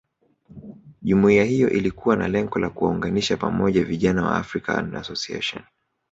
Jumuiya hiyo ilikuwa na lengo la kuwaunganisha pamoja vijana wa African Association